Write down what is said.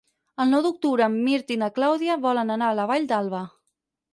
El nou d'octubre en Mirt i na Clàudia volen anar a la Vall d'Alba.